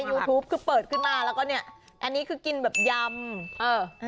ยูทูปคือเปิดขึ้นมาแล้วก็เนี่ยอันนี้คือกินแบบยำเออ